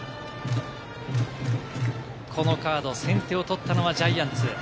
このカード、先手を取ったのはジャイアンツ。